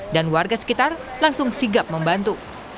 dan warga sekitar langsung sigap membantu